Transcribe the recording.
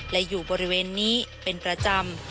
และอยู่บริเวณนี้เป็นประจำ